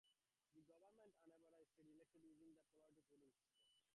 The Governor of Anambra State is elected using the plurality voting system.